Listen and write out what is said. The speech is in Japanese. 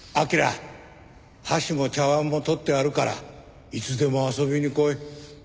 箸も茶わんも取ってあるからいつでも遊びに来い。